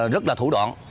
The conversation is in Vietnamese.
rất là thủ đoạn